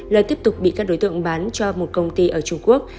lợi tiếp tục bị các đối tượng bán cho một công ty ở trung quốc